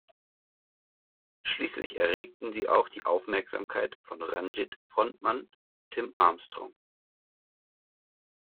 Schließlich erregten sie auch die Aufmerksamkeit von Rancid-Frontmann Tim Armstrong.